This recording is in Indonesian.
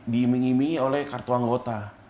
dimingimi oleh kartu anggota